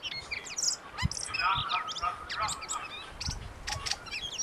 سابق leg spinner Abdul Qadir کے بیٹے ٹورمیچ میں اسٹریلیا کی نمائندگی کریں گے